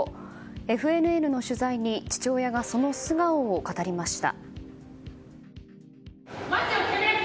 ＦＮＮの取材に父親がその素顔を語りました。